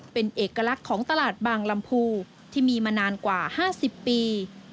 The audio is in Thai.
เป็นเอกลักษณ์ของตลาดบางลำพูที่มีมานานกว่า๕๐ปี